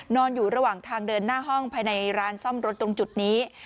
นอนอยู่ระหว่างทางเดินหน้าห้องภายในร้านซ่อมรถตรงจุดนี้